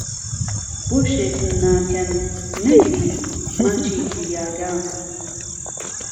بۆ شێتم ناکهن، نهگری، ماچی کریاگه